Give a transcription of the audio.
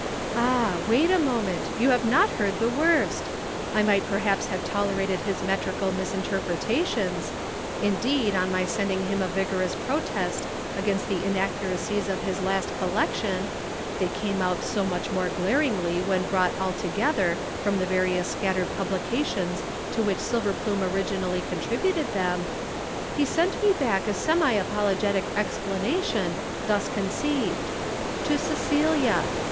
"Ah, wait a moment You have not heard the worst! I might perhaps have tolerated his metrical misinterpretations indeed on my sending him a vigorous protest against the inaccuracies of his last collection (they came out so much more glaringly when brought all together from the various scattered publications to which Silverplume originally contributed them) he sent me back a semi apologetic explanation thus conceived: "'TO CELIA.'